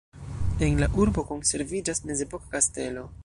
En la urbo konserviĝas mezepoka kastelo.